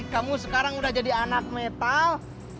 kamu sekarang udah jadi anak metal